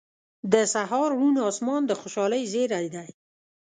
• د سهار روڼ آسمان د خوشحالۍ زیری دی.